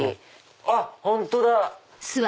あっ本当だ！